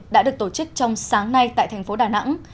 đã được tổ chức trong sáng nay tại thành phố đà nẵng